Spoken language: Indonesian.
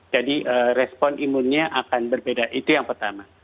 jadi respon imunnya akan berbeda itu yang pertama